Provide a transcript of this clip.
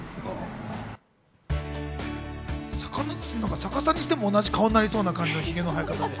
逆さにしても同じ顔になりそうなヒゲの生え方で。